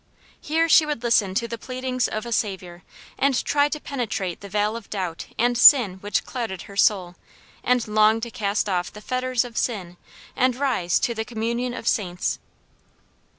Here she would listen to the pleadings of a Saviour, and try to penetrate the veil of doubt and sin which clouded her soul, and long to cast off the fetters of sin, and rise to the communion of saints.